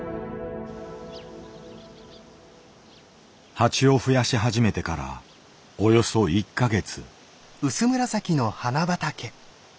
蜂をふやし始めてからおよそ１か月。